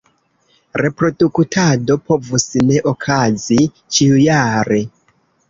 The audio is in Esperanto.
Reproduktado povus ne okazi ĉiujare.